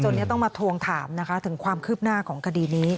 นี้ต้องมาทวงถามนะคะถึงความคืบหน้าของคดีนี้